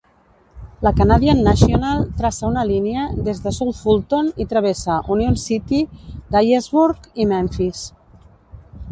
La Canadian National traça una línia des de South Fulton i travessa Union City, Dyersburg i Memphis.